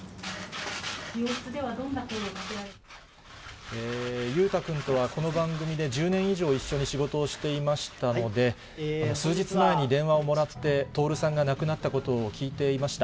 病室ではどんな声をかけられ裕太君とはこの番組で１０年以上、一緒に仕事をしていましたので、数日前に電話をもらって、徹さんが亡くなったことを聞いていました。